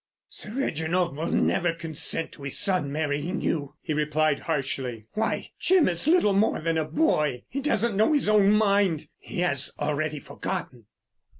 "Sir Reginald will never consent to his son marrying you," he replied harshly. "Why, Jim is little more than a boy, he doesn't know his own mind. He has already forgotten."